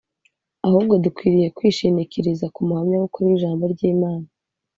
ahubwo dukwiriye kwishinikiriza k’umuhamya w'ukuri w'Ijambo ry'Imana.